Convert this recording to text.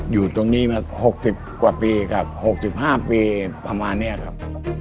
อยู่ตรงนี้มา๖๐กว่าปีกับ๖๕ปีประมาณนี้ครับ